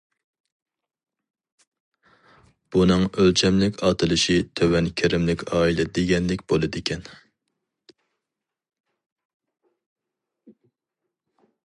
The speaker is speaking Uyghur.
بۇنىڭ ئۆلچەملىك ئاتىلىشى تۆۋەن كىرىملىك ئائىلە دېگەنلىك بولىدىكەن.